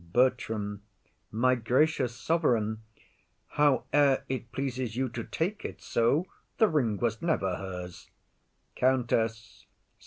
BERTRAM. My gracious sovereign, Howe'er it pleases you to take it so, The ring was never hers. COUNTESS.